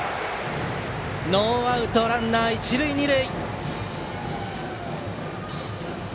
ノーアウトランナー、一塁二塁。